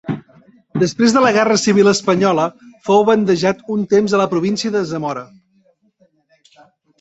Després de la guerra civil espanyola fou bandejat un temps a la província de Zamora.